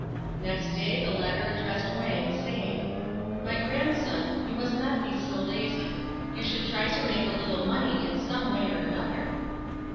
Next day, the latter addressed Wang, saying, " My grandson, you must not be so lazy. You should try to make a little money in some way or other."